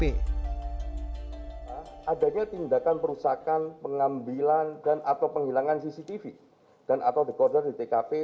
adanya tindakan perusakan pengambilan dan atau penghilangan cctv dan atau dekoder di tkp